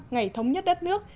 ngày thống nhất đất nước